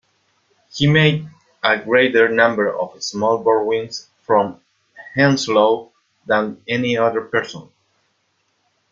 He made a greater number of small borrowings from Henslowe than any other person.